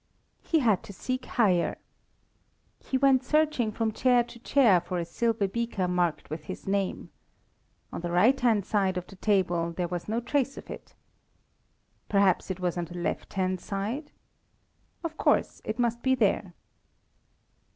He had to seek higher. He went searching from chair to chair for a silver beaker marked with his name. On the right hand side of the table there was no trace of it. Perhaps it was on the left hand side? Of course, it must be there.